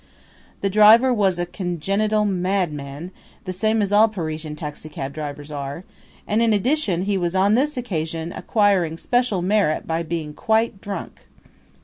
The driver was a congenital madman, the same as all Parisian taxicab drivers are; and in addition he was on this occasion acquiring special merit by being quite drunk.